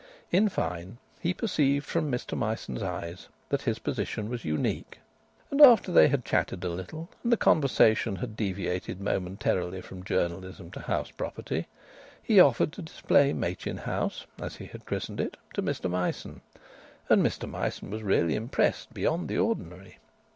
In fine, he perceived from Mr Myson's eyes that his position was unique. And after they had chatted a little, and the conversation had deviated momentarily from journalism to house property, he offered to display Machin House (as he had christened it) to Mr Myson, and Mr Myson was really impressed beyond the ordinary.